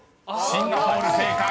［「シンガポール」正解。